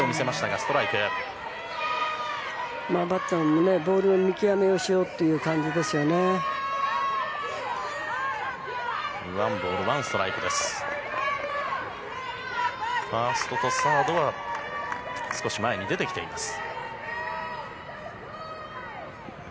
ファーストとサードは少し前に出てきています。